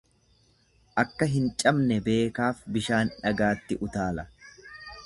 Akka hin cabne beekaaf bishaan dhagaatti utaala.